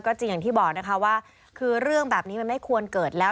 จริงอย่างที่บอกนะคะว่าคือเรื่องแบบนี้มันไม่ควรเกิดแล้ว